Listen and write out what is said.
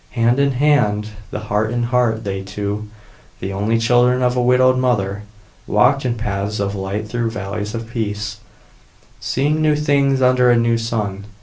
Hand in hand and heart in heart they two, the only children of a widowed mother, walked in paths of light through valleys of peace, seeing new things under a new sun.